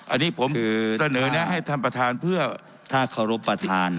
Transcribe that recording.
อันนี้ผมเสนอแนะให้ท่านประธานเพื่อถ้าเคารพประธาน